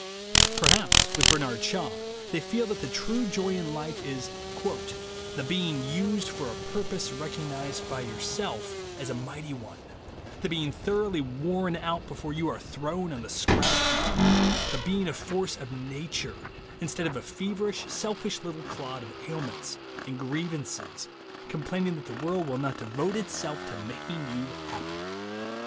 Per haps, with Bernard Shaw, they feel that the true joy in life is "the being used for a purpose recog nized by yourself as a mighty one; the being thoroughly worn out before you are thrown on the scrap heap; the being a force of Nature instead of a feverish, selfish little clod of ailments and grievances, complaining that the world will not devote itself to making you happy."